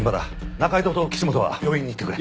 仲井戸と岸本は病院に行ってくれ。